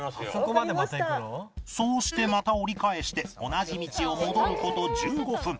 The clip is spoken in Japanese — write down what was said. そうしてまた折り返して同じ道を戻る事１５分